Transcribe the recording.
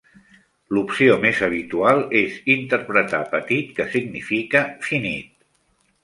L'opció més habitual és interpretar "petit" que significa "finit".